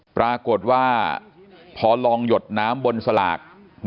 ปรากฏว่าพอลองหยดน้ำบนสลาก